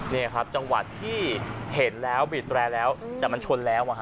นี่ครับจังหวะที่เห็นแล้วบีดแร่แล้วแต่มันชนแล้ว